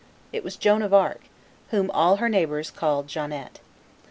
It was Joan of Arc, whom all her neighbors called Joannette.